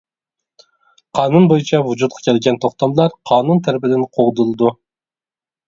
قانۇن بويىچە ۋۇجۇدقا كەلگەن توختاملار قانۇن تەرىپىدىن قوغدىلىدۇ.